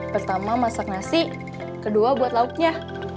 pertama masak nasi kedua buat lauknya